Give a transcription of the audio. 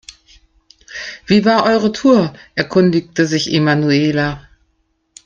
Wie war eure Tour?, erkundigte sich Emanuela.